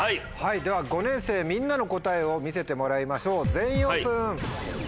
では５年生みんなの答えを見せてもらいましょう全員オープン。